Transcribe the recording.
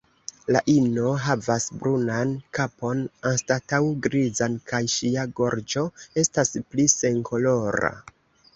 La ino havas brunan kapon anstataŭ grizan, kaj ŝia gorĝo estas pli senkolora.